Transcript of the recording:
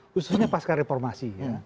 khususnya pasca reformasi